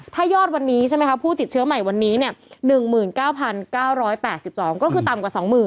ถ้ายอดวันนี้ใช่ไหมคะผู้ติดเชื้อใหม่วันนี้๑๙๙๘๒ก็คือต่ำกว่า๒๐๐๐